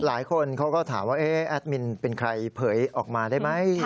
หลายคนเขาก็ถามว่าแอดมินเป็นใครเผยออกมาได้ไหม